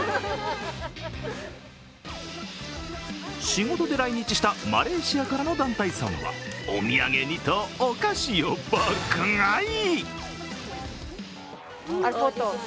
仕事で来日したマレーシアからの団体さんはお土産にと、お菓子を爆買い。